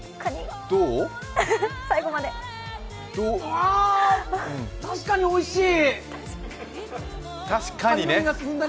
あ、たしかにおいしい！！